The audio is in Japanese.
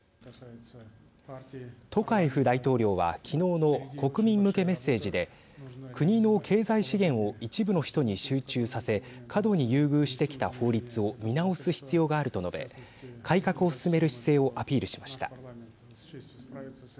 トカエフ大統領は、きのうの国民向けメッセージで国の経済資源を一部の人に集中させ過度に優遇してきた法律を見直す必要があると述べ改革を進める姿勢をアピールしました。